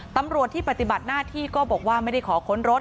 ตำรวจที่ปฏิบัติหน้าที่ก็บอกว่าไม่ได้ขอค้นรถ